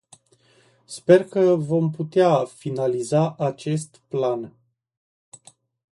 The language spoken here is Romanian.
Sper că vom putea finaliza acest plan.